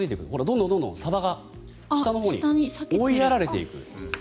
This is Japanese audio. どんどん、サバが下のほうに追いやられていく。